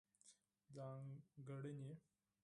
ځانګړنې: